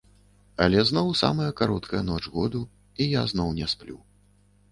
Але зноў самая кароткая ноч году, і я зноў не сплю.